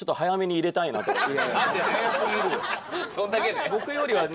そんだけで！？